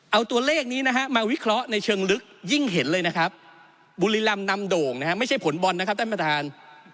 เอาตัวเลขนี้นะฮะมาวิเคราะห์ในเชิงลึกยิ่งเห็นเลยนะครับบุรีรำนำโด่งนะฮะไม่ใช่ผลบอลนะครับท่านประธาน